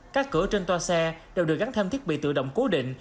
các cửa trên toa xe đều được gắn thêm thiết bị tự động cố định